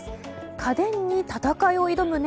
家電に戦いを挑む猫。